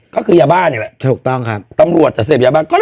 ก็คือยาบ้านเองแหละตำรวจแต่เสพยาบ้าน